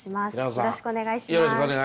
よろしくお願いします。